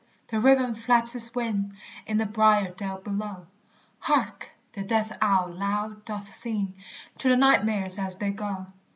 the raven flaps his wing In the briered dell below; Hark! the death owl loud doth sing To the nightmares as they go.